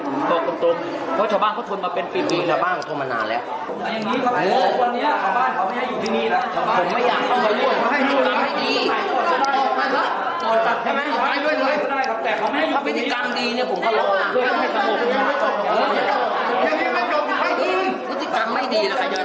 ผมไม่อยากเข้าร่วมวิธีกรรมให้ดีถ้าวิธีกรรมดีเนี่ยผมก็รอวิธีกรรมไม่ดีหรอกชาวอาวาสก็รักไปได้